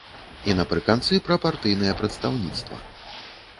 І напрыканцы пра партыйнае прадстаўніцтва.